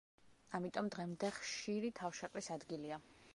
ამიტომ დღემდე ხშირი თავშეყრის ადგილია.